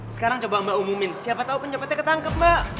sekarang coba mbak umumin siapa tau penjepitnya ketangkep mbak